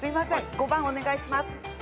５番お願いします。